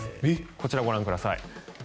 こちらをご覧ください。